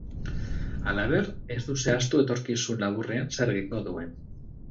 Halaber, ez du zehaztu etorkizun laburrean zer egingo duen.